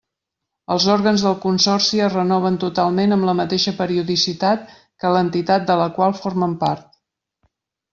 Els òrgans del consorci es renoven totalment amb la mateixa periodicitat que l'entitat de la qual formen part.